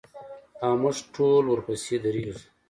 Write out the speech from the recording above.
او موږ ټول ورپسې درېږو.